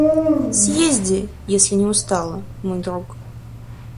Съезди, если не устала, мой друг.